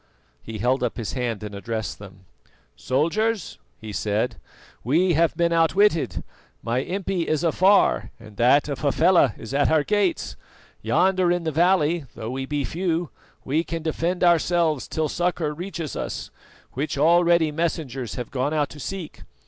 He held up his hand and addressed them. "Soldiers," he said, "we have been outwitted. My impi is afar, and that of Hafela is at our gates. Yonder in the valley, though we be few, we can defend ourselves till succour reaches us, which already messengers have gone out to seek.